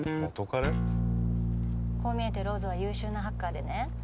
こう見えてローズは優秀なハッカーでね